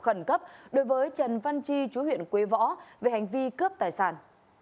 trường hợp khẩn cấp đối với trần văn chi chú huyện quế võ về hành vi cướp tài sản